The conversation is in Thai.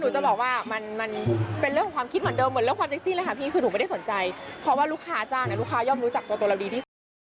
จะบอกว่ามันเป็นเรื่องของความคิดเหมือนเดิมเหมือนเรื่องความเซ็กซี่เลยค่ะพี่คือหนูไม่ได้สนใจเพราะว่าลูกค้าจ้างเนี่ยลูกค้าย่อมรู้จักตัวเราดีที่สุด